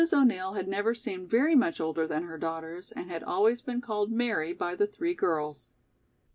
O'Neill had never seemed very much older than her daughters and had always been called "Mary" by the three girls.